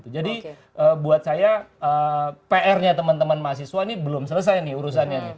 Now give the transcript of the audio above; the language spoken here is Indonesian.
jadi buat saya pr nya teman teman mahasiswa ini belum selesai nih urusannya